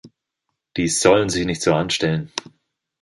Die sollen sich nicht so anstellen!